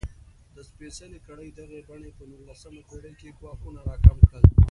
د سپېڅلې کړۍ دغې بڼې په نولسمه پېړۍ کې ګواښونه راکم کړل.